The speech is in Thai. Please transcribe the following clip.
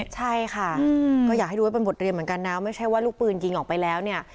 ใช่ค่ะก็อยากให้ดูไว้เป็นบทเรียนเหมือนกันนะไม่ใช่ว่าลูกปืนยิงออกไปแล้วเนี่ย